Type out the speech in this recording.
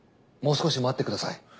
もう少し待ってください。